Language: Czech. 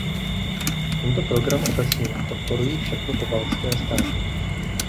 Tento program obecně podporují všechny pobaltské státy.